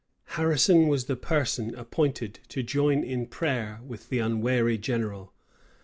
Harrison was the person appointed to join in prayer with the unwary general.